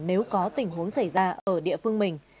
nếu có tình huống xảy ra ở địa phương mình